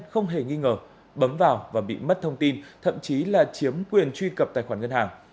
không hề nghi ngờ bấm vào và bị mất thông tin thậm chí là chiếm quyền truy cập tài khoản ngân hàng